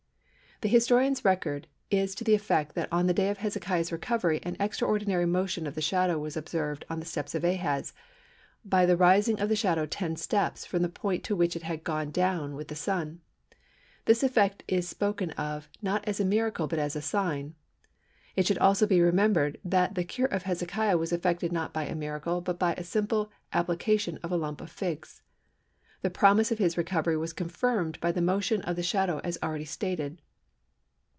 The historian's record is to the effect that on the day of Hezekiah's recovery an extraordinary motion of the shadow was observed on the "Steps of Ahaz" by the rising of the shadow "ten steps" from the point to which it had "gone down with the Sun." This effect is spoken of not as a miracle but as "a sign." It should also be remembered that the cure of Hezekiah was effected not by a miracle but by a simple application of a lump of figs. The promise of his recovery was confirmed by the motion of the shadow as already stated.